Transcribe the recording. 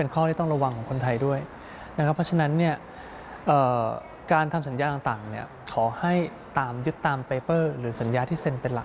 ค่อยโอนเงินขอยึดเ